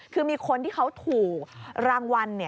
คือมีคนที่เขาถูกรางวัล